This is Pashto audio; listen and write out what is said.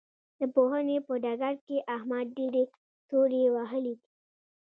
د پوهنې په ډګر کې احمد ډېرې تورې وهلې دي.